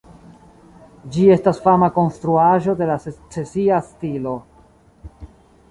Ĝi estas fama konstruaĵo de la secesia stilo.